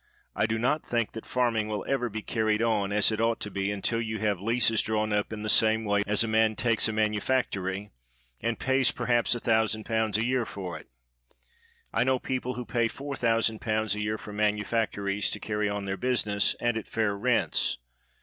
I do not think that farm ing will ever be carried on as it ought to be until you have leases drawn up in the same way as a man takes a manufactory, and pays per haps a thousand pounds a year for it. I know people who pay four thousand pounds a year for manufactories to carry on their business, and at fair rents.